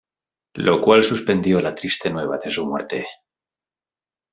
Lo cual suspendió la triste nueva de su muerte".